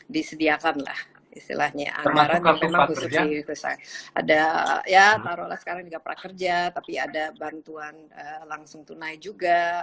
disediakan lah istilahnya ada ya taruhlah sekarang juga prakerja tapi ada bantuan langsung tunai juga